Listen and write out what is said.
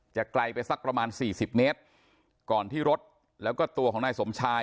ไกลไปสักประมาณสี่สิบเมตรก่อนที่รถแล้วก็ตัวของนายสมชาย